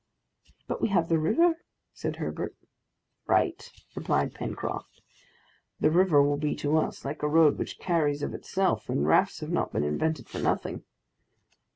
"But we have the river," said Herbert. "Right," replied Pencroft; "the river will be to us like a road which carries of itself, and rafts have not been invented for nothing."